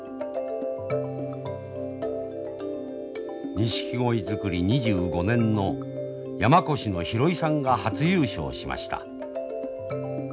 ニシキゴイ作り２５年の山古志のヒロイさんが初優勝しました。